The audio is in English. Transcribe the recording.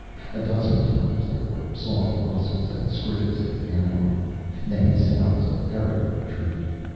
A dozen times there were soft rustles and scrapes at the airlock; then sounds of hurried retreat.